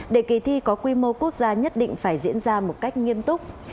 để kỳ thi có quy mô quốc gia nhất định phải diễn ra một cách nghiêm túc